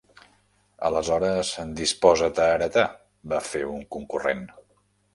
Aleshores, disposa't a heretar…- va fer un concurrent.